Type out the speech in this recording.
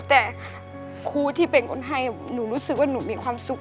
แต่ครูที่เป็นคนให้หนูรู้สึกว่าหนูมีความสุข